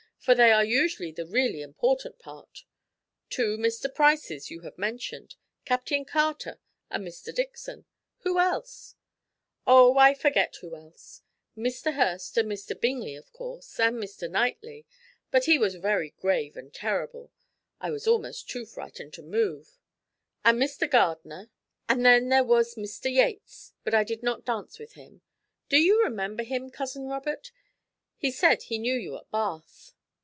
for they are usually the really important part. Two Mr. Prices you have mentioned, Captain Carter and Mr. Dixon; who else?" "Oh, I forget who else; Mr. Hurst and Mr. Bingley, of course, and Mr. Knightley, but he was very grave and terrible, I was almost too frightened to move, and Mr. Gardiner, and then there was Mr. Yates, but I did not dance with him. Do you remember him, Cousin Robert? he said he knew you at Bath."